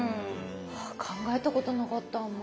考えたことなかったあんまり。